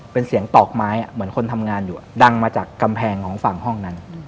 เป็นเสียงตอกไม้เหมือนคนทำงานอยู่ดังมาจากกำแพงของฝั่งห้องนั้น